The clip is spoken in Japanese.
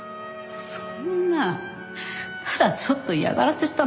そんなただちょっと嫌がらせしただけよ。